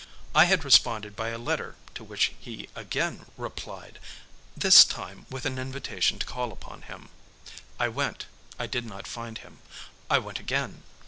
I had responded by a letter to which he again replied, this time with an invitation to call upon him. I went I did not find him. I went again.